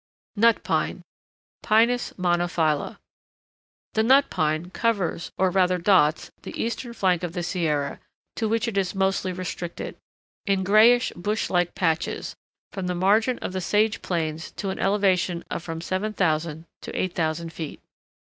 NUT PINE (Pinus monophylla) The Nut Pine covers or rather dots the eastern flank of the Sierra, to which it is mostly restricted, in grayish, bush like patches, from the margin of the sage plains to an elevation of from 7000 to 8000 feet.